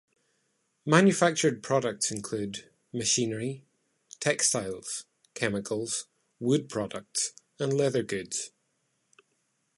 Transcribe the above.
Manufactured products include: machinery, textiles, chemicals, wood products, and leather goods.